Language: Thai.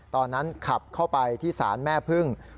ตอนนั้นขับเข้าไปที่ศาลแม่พึ่ง